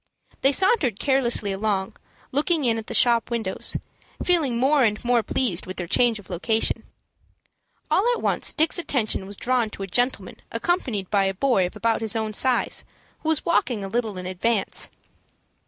They sauntered carelessly along, looking in at the shop windows, feeling more and more pleased with their change of location. All at once Dick's attention was drawn to a gentleman accompanied by a boy of about his own size, who was walking a little in advance.